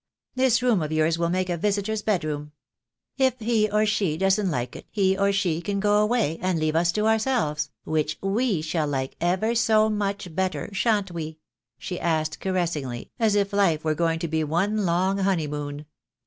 This room of yours will make a visitor's bedroom. If he or she doesn't like it, he or she can go away, and leave us to ourselves, which we shall like ever so much better, shan't we?" she asked, caressingly, as if life were going to be one long honeymoon.